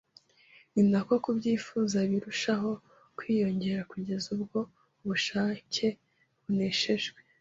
ni nako kubyifuza birushaho kwiyongera, kugeza ubwo ubushake buneshejwe